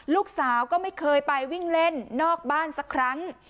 ลูกสาวก็ไม่เคยไปวิ่งเล่นนอกบ้านสักครั้ง